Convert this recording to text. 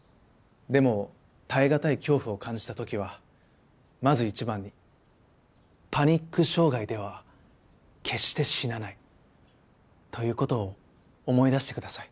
でも耐え難い恐怖を感じた時はまず一番に「パニック障害では決して死なない」という事を思い出してください。